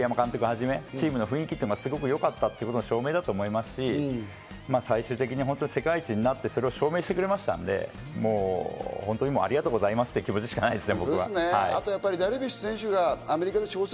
なので全員が栗山監督をはじめ、チームの雰囲気とかすごくよかったということの証明だと思いますし、最終的に世界一になって、それを証明してくれましたんで、本当にありがとうございますという気持ちしかないですね。